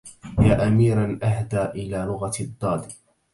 يا أميرا أهدى إلى لغة الضاد